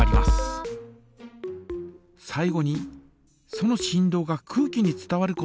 最後にその振動が空気に伝わることで。